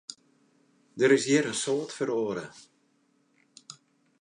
Der is hjir in soad feroare.